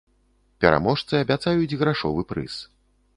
Пераможцы абяцаюць грашовы прыз.